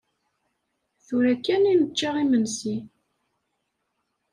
Tura kan i nečča imensi.